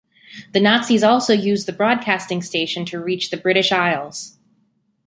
The Nazis also used the broadcasting station to reach the British Isles.